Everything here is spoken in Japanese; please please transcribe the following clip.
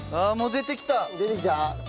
出てきた。